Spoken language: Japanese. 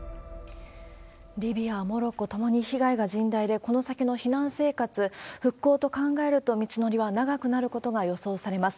リビア、モロッコともに被害が甚大で、この先の避難生活、復興と考えると、道のりは長くなることが予想されます。